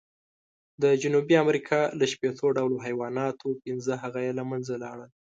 د جنوبي امریکا له شپېتو ډولو حیواناتو، پینځه هغه یې له منځه لاړل.